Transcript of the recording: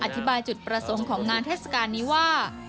อธิบายจุดประสงค์ของงานเทศกาลนี้ว่า